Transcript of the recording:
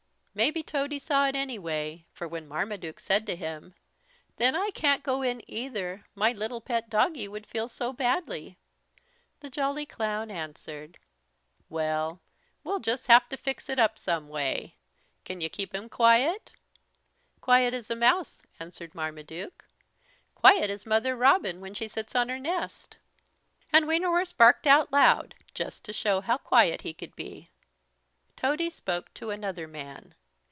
Maybe Tody saw it anyway, for when Marmaduke said to him, "Then I can't go in either, my little pet doggie would feel so badly," the jolly Clown answered: "Well, we'll just have to fix it up some way. Can y' keep him quiet?" "Quiet as a mouse," answered Marmaduke, "quiet as Mother Robin when she sits on her nest." And Wienerwurst barked out loud just to show how quiet he could be. Tody spoke to another man.